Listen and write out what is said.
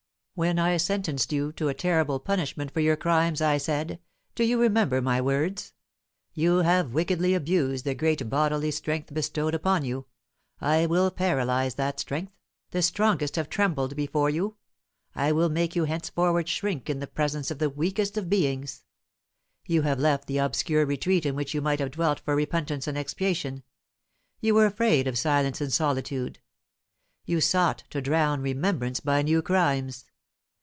When I sentenced you to a terrible punishment for your crimes I said do you remember my words? 'You have wickedly abused the great bodily strength bestowed upon you; I will paralyse that strength. The strongest have trembled before you; I will make you henceforward shrink in the presence of the weakest of beings.' You have left the obscure retreat in which you might have dwelt for repentance and expiation. You were afraid of silence and solitude. You sought to drown remembrance by new crimes.